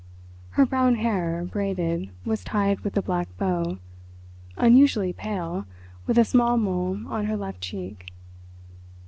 Her brown hair, braided, was tied with a black bow—unusually pale, with a small mole on her left cheek.